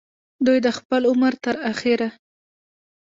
دوي د خپل عمر تر اخره